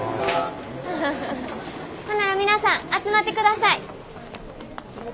ほんなら皆さん集まってください。